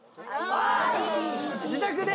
自宅で？